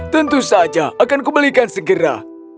tentu saja akan kubalikan segera